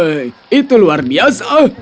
hehehe itu luar biasa